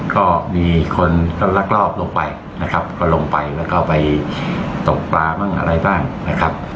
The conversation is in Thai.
ก็มีคนก็ลักลอบลงไปนะครับก็ลงไปแล้วก็ไปตกปลาบ้างอะไรบ้างนะครับ